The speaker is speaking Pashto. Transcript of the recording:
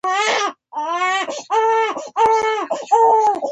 د الله په لاره کې خپلو ټولو عملونو ته دوام ورکول.